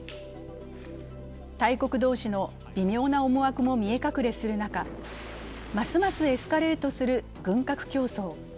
大国同士の微妙な思惑も見え隠れする中、ますますエスカレートする軍拡競争。